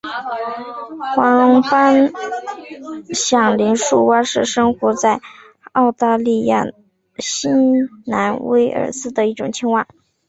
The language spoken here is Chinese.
黄斑响铃树蛙是生活在澳大利亚新南威尔斯的一种青蛙。